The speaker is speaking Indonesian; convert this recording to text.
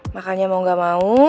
makanya mau gak mau